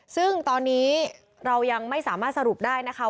ซึ่งตอนนี้เรายังไม่สามารถสรุปได้นะคะ